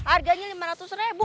harganya lima ratus ribu